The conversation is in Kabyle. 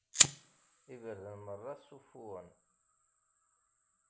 Iberdan merra sufuɣen.